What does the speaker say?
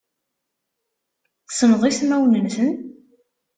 Tessneḍ ismawen-nsen?